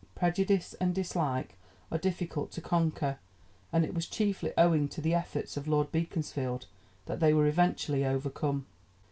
Prejudice and dislike are difficult to conquer, and it was chiefly owing to the efforts of Lord Beaconsfield that they were eventually overcome.